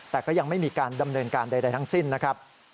แต่ก็ยังไม่มีการดำเนินการใดทั้งสิ้นนะครับ